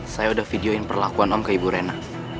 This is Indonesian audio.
saya udah videoin perlakuan om ke ibu rena